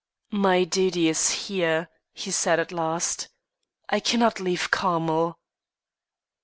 "My duty is here," he said at last. "I cannot leave Carmel."